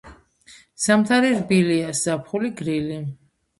ზამთარი რბილია, ზაფხული გრილი.